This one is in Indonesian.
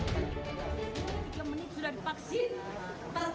tiga menit sudah divaksin terkapar di puskesmas rumpuy